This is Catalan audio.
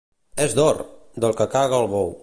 —És d'or! —Del que cague el bou.